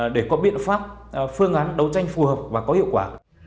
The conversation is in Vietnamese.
để có biện pháp phương án đấu tranh phù hợp và có hiệu quả